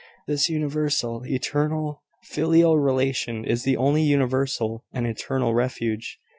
This universal, eternal, filial relation is the only universal and eternal refuge.